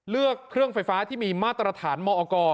เลือกเครื่องไฟฟ้าที่มีมาตรฐานมอก